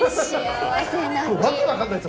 訳わかんないんです